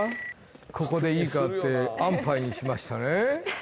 ここでいいかってあんパイにしましたね